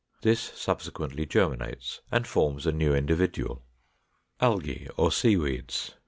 This subsequently germinates and forms a new individual. 507. =Algæ or Seaweeds.